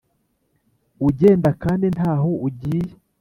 ugenda kandi ntaho ugiye